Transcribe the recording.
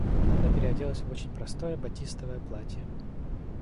Анна переоделась в очень простое батистовое платье.